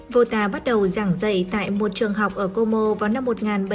volta bắt đầu giảng dạy tại một trường học ở como vào năm một nghìn bảy trăm bảy mươi bốn